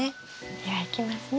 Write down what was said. ではいきますね。